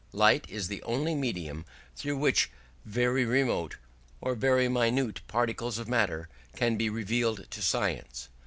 Light is the only medium through which very remote or very minute particles of matter can be revealed to science.